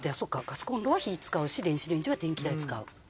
ガスコンロは火使うし電子レンジは電気代使う。